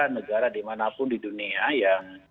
negara dimanapun di dunia yang